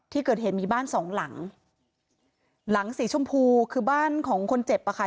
ที่เกิดเหตุมีบ้านสองหลังหลังสีชมพูคือบ้านของคนเจ็บอะค่ะ